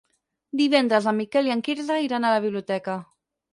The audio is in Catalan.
Divendres en Miquel i en Quirze iran a la biblioteca.